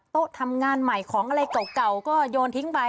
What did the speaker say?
โต๊ะทำงานใหม่ของอะไรเก่าก็โยนทิ้งไป